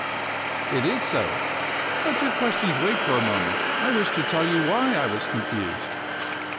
"It is so. Let your questions wait for a moment. I wish to tell you why I was confused."